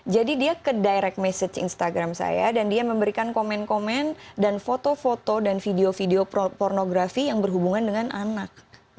jadi dia ke direct message instagram saya dan dia memberikan komen komen dan foto foto dan video video pornografi yang berhubungan dengan anak